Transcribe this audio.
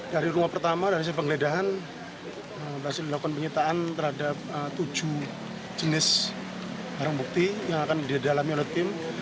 dari rumah pertama dari hasil penggeledahan berhasil dilakukan penyitaan terhadap tujuh jenis barang bukti yang akan didalami oleh tim